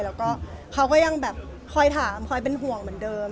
แล้วก็เขาก็ยังแบบคอยถามคอยเป็นห่วงเหมือนเดิม